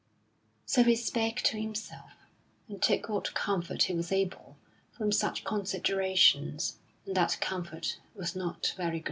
So he spake to himself, and took what comfort he was able from such considerations, and that comfort was not very great.